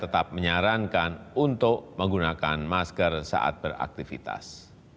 tetap menyarankan untuk menggunakan masker saat beraktivitas